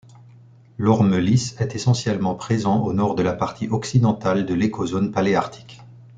L’orme lisse est essentiellement présent au nord de la partie occidentale de l'Écozone paléarctique.